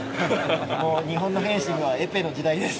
もう日本のフェンシングはエペの時代です。